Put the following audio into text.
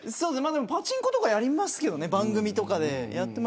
でもパチンコとかやりますけどね、番組とかで。